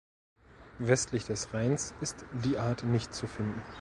Westlich des Rheins ist die Art nicht zu finden.